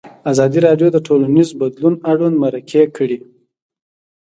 ازادي راډیو د ټولنیز بدلون اړوند مرکې کړي.